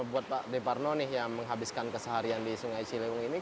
buat pak deparno nih yang menghabiskan keseharian di sungai ciliwung ini